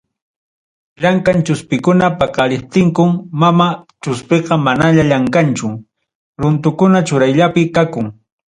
Llamkaq chuspikuna paqariptinkum, mama chuspiqa manañam llamkanchu, runtukuna churayllapi kakun.